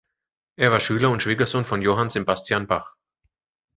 Er war Schüler und Schwiegersohn von Johann Sebastian Bach.